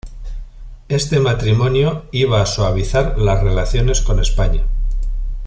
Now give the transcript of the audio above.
Este matrimonio iba a suavizar las relaciones con España.